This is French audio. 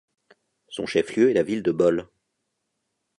Son chef-lieu est la ville de Bole.